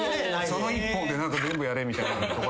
その一本で全部やれみたいな。